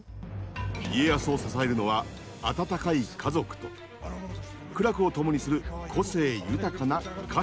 家康を支えるのは温かい家族と苦楽を共にする個性豊かな家臣たち。